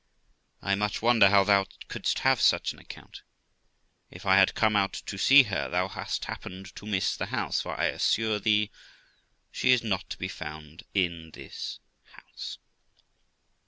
I much wonder how thou couldst have such an account. If I had come out to see her, thou hast happened to miss the house, for I assure thee she is not to be found in this house.